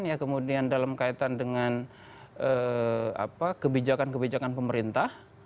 ya kemudian dalam kaitan dengan kebijakan kebijakan pemerintah